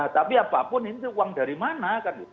tapi apapun itu uang dari mana kan